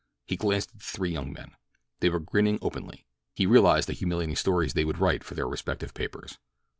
He glanced at the three young men. They were grinning openly. He realized the humiliating stories they would write for their respective papers.